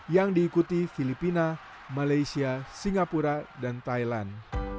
yang diikuti filipina malaysia singapura dan thailand